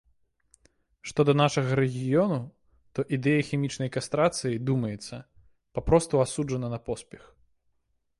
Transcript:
Што да нашага рэгіёну, то ідэя хімічнай кастрацыі, думаецца, папросту асуджана на поспех.